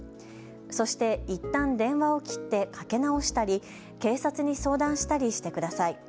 そして、いったん電話を切ってかけ直したり警察に相談したりしてください。